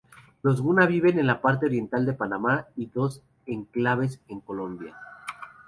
Los guna viven en la parte oriental de Panamá y dos enclaves en Colombia.